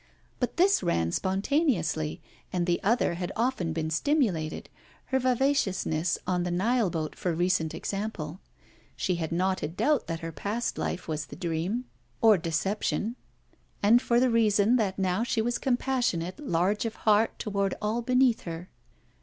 But this ran spontaneously, and the other had often been stimulated her vivaciousness on the Nile boat, for a recent example. She had not a doubt that her past life was the dream, or deception: and for the reason that now she was compassionate, large of heart toward all beneath her.